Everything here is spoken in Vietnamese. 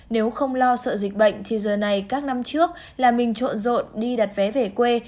nếu không lo sợ dịch bệnh thì giờ này các năm trước là mình trộn rộn đi đặt vé về quê